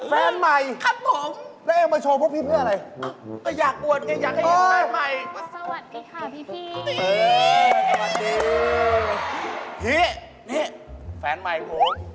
แฟนใหม่แล้วเอ๊ะมาโชว์พวกพี่เพื่อนอะไรอยากบวชกันอยากให้เห็นแฟนใหม่